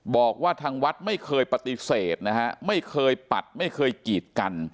บอกว่าทางวัดไม่เคยปฏิเสธนะฮะไม่เคยปัดไม่เคยกีดกัน